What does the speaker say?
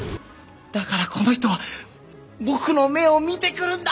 だからこの人は僕の目を見てくるんだ！